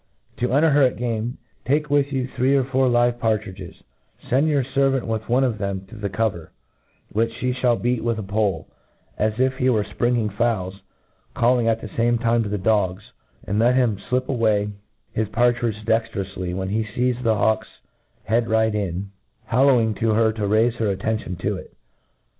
To enter her at game, take with you three or four live partridges j fend yoqrfervant with one of them to the cover, which he fliall beat with a pole, as if he were fpringing fpwls, calling at the fame' time to the dogs ; then let him flip away his partridge dextroufly, when he fees the hawk'$ head right in, hollowing to her to raife her atten ." tion to it.